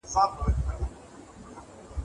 ساینس ستونزې حل کوي.